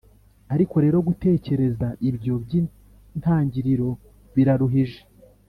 ariko rero gutekereza ibyo by’intangiriro, biraruhije